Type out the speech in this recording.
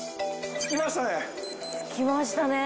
着きましたね。